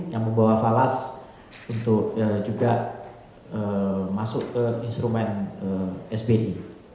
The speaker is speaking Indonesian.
yang membawa falas untuk juga masuk ke instrumen sbi